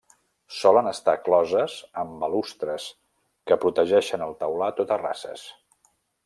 Solen estar closes amb balustres que protegeixen el teulat o terrasses.